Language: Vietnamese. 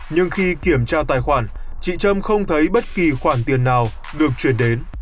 nhưng khi kiểm tra tài khoản chị trâm không thấy bất kỳ khoản tiền nào được chuyển đến